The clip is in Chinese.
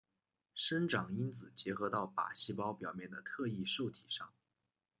生长因子结合到靶细胞表面的特异受体上。